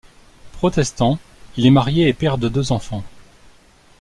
Protestant, il est marié et père de deux enfants.